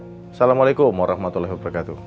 assalamualaikum warahmatullahi wabarakatuh